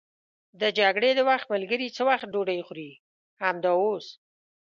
د جګړې د وخت ملګري څه وخت ډوډۍ خوري؟ همدا اوس.